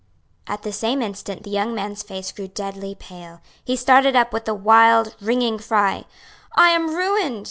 At the same instant the young man's face grew deadly pale, he started up with a wild, ringing cry, "I am ruined!"